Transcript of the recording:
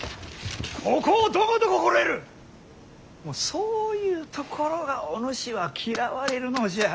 そういうところがおぬしは嫌われるのじゃ。